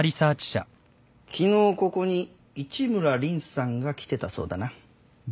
昨日ここに市村凜さんが来てたそうだな？